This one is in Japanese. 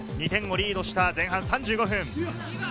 ２点をリードした前半３５分。